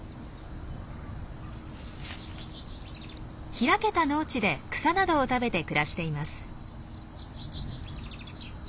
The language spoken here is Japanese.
開けた農地で草などを食べて暮らしています。